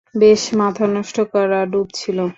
বেশ, মাথানষ্ট করা ডুব ছিল।